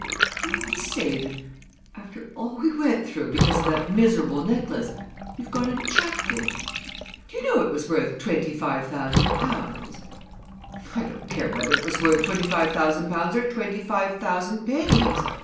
"You mean to say that, after all we went through because of that miserable necklace, you've gone and chucked it? Do you know it was worth twenty five thousand pounds?" "I don't care whether it was worth twenty five thousand pounds or twenty five thousand pennies!"